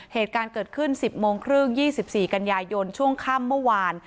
เหตุการณ์เกิดขึ้น๑๐โมงครึ่ง๒๔กันยายนช่วงค่ำเมื่อวาน